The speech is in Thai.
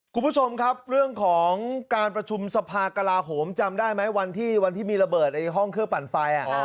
คุณผู้ชมครับเรื่องของการประชุมสภากลาโหมจำได้ไหมวันที่มีระเบิดในห้องเครื่องปั่นไฟ